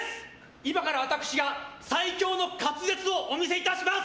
今から私が最強の滑舌をお見せします。